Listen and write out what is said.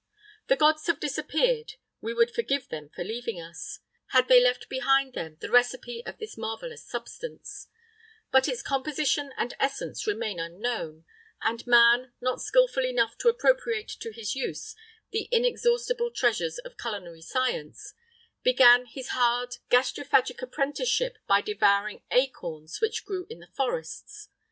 The gods have disappeared; we would forgive them for leaving us, had they left behind them the recipe of this marvellous substance; but its composition and essence remain unknown, and man, not skilful enough to appropriate to his use the inexhaustible treasures of culinary science, began his hard gastrophagic apprenticeship by devouring acorns which grew in the forests.